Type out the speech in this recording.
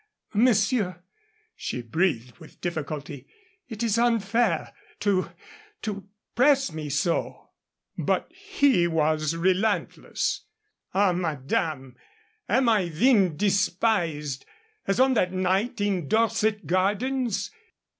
"Monsieur," she breathed with difficulty, "it is unfair to to press me so." But he was relentless. "Ah, madame, am I then despised, as on that night in Dorset Gardens?